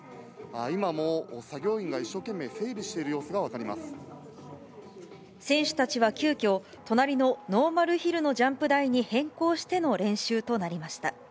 今も作業員が一生懸命整備してい選手たちは急きょ、隣のノーマルヒルのジャンプ台に変更しての練習となりました。